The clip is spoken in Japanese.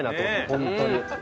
本当に。